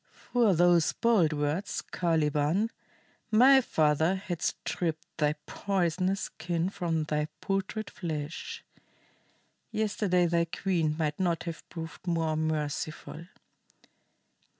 "For those bold words, Caliban, my father had stripped thy poisonous skin from thy putrid flesh. Yesterday thy queen might not have proved more merciful.